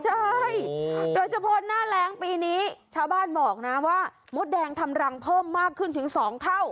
ใช่โดยเฉพาะหน้าแรงปีนี้ชาวบ้านบอกนะว่ามดแดงทำรังเพิ่มมากขึ้นถึง๒เท่า